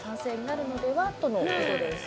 なるのではとのことです。